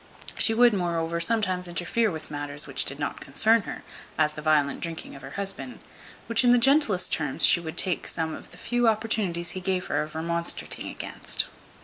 She would, moreover, sometimes interfere with matters which did not concern her, as the violent drinking of her husband, which in the gentlest terms she would take some of the few opportunities he gave her of remonstrating against.